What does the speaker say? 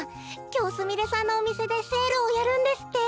きょうすみれさんのおみせでセールをやるんですって。